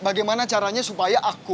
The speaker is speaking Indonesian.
bagaimana caranya supaya aku bisa jalan